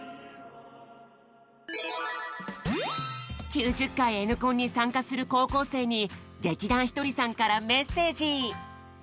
９０回Ｎコンに参加する高校生に劇団ひとりさんからメッセージ！